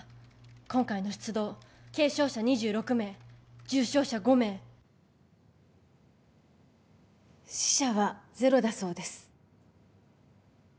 今回の出動軽傷者２６名重傷者５名死者はゼロだそうです